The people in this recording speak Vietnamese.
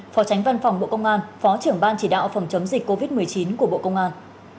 phó tránh văn phòng bộ công an phó trưởng ban chỉ đạo phòng chống dịch covid một mươi chín của bộ công an